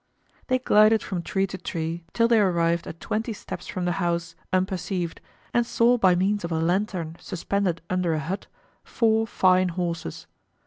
They glided from tree to tree till they arrived at twenty steps from the house unperceived and saw by means of a lantern suspended under a hut, four fine horses.